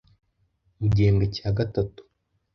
Mu gihemwe cya gatatu